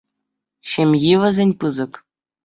Ҫемйи вӗсен пысӑк.